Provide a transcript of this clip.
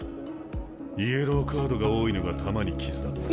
イエローカードが多いのが玉にきずだが。